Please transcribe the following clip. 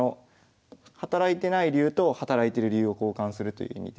働いてない竜と働いてる竜を交換するという意味で。